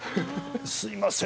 すみません！